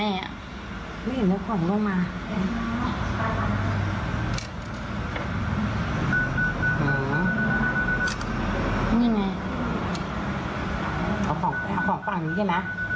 เอาของฝั่งบังนี้ดินะ